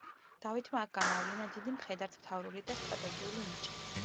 დავითმა აქ გამოავლინა დიდი მხედართმთავრული და სტრატეგიული ნიჭი.